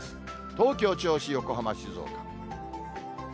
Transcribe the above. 東京、銚子、横浜、静岡。